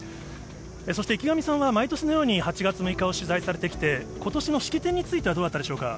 そして池上さんは毎年のように、８月６日を取材されてきて、ことしの式典についてはどうだったでしょうか。